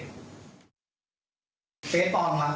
มีเหือดของใคร